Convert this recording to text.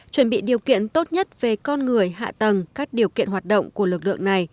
chuẩn bị điều kiện tốt nhất về con người hạ tầng các điều kiện hoạt động của lực lượng này